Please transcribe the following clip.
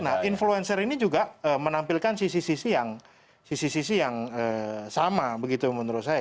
nah influencer ini juga menampilkan sisi sisi yang sama begitu menurut saya